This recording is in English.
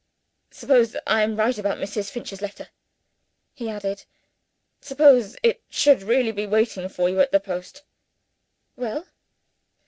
"Suppose I am right about Mrs. Finch's letter?" he added. "Suppose it should really be waiting for you at the post?" "Well?"